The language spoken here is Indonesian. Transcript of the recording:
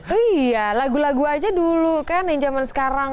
iya lagu lagu aja dulu kan yang zaman sekarang